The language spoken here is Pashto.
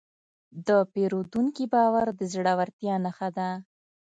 د پیرودونکي باور د زړورتیا نښه ده.